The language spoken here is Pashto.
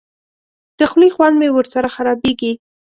د خولې خوند مې ورسره خرابېږي.